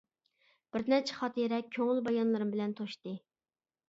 بىرنەچچە خاتىرە كۆڭۈل بايانلىرىم بىلەن توشتى.